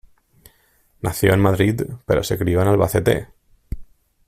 Nació en Madrid pero se crió en Albacete.